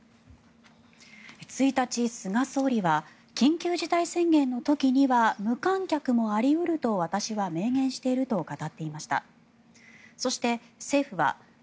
１日、菅総理は緊急事態宣言の時には無観客もあり得ると私は明言していると語っていました。